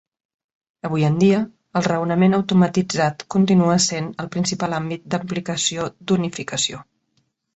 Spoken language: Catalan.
Avui en dia, el raonament automatitzat continua essent el principal àmbit d'aplicació d'unificació.